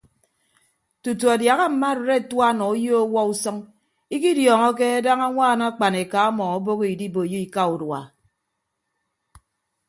Tutu adiaha mma arịd atua nọ uyo ọwuọ usʌñ ikidiọọñọke daña añwaan akpan eka ọmọ obooho idiboiyo ika urua.